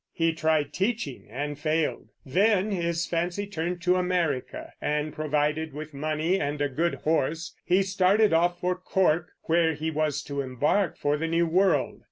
He tried teaching, and failed. Then his fancy turned to America, and, provided with money and a good horse, he started off for Cork, where he was to embark for the New World.